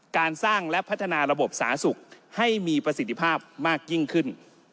การสร้างและพัฒนาระบบสาธารณสุขให้มีประสิทธิภาพมากยิ่งขึ้น